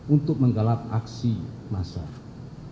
untuk menggalak aksi masyarakat